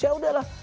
ya udah lah